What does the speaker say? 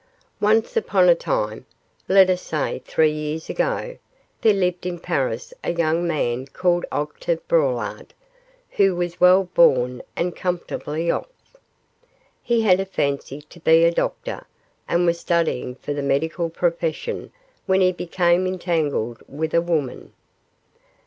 Once upon a time let us say three years ago there lived in Paris a young man called Octave Braulard, who was well born and comfortably off. He had a fancy to be a doctor, and was studying for the medical profession when he became entangled with a woman.